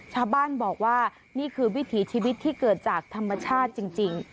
ชาวบ้านบอกว่านี่คือวิถีชีวิตที่เกิดจากธรรมชาติจริง